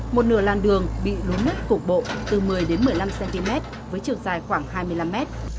một nửa làn đường bị lún nứt cổ bộ từ một mươi một mươi năm cm với chiều dài khoảng hai mươi năm m